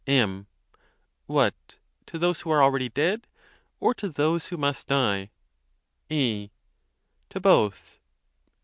M. What, to those who are already dead? or to those who must die? A, To both.